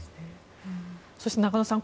そして、中野さん